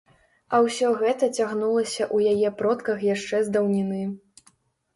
А ўсё гэта цягнулася ў яе продках яшчэ з даўніны.